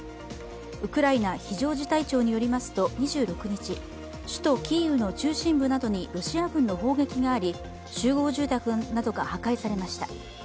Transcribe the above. ウクライナ非常事態庁によりますと２６日、首都キーウの中心部などにロシア軍の砲撃があり集合住宅などが破壊されました。